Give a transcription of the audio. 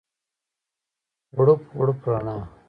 غوړپ، غوړپ رڼا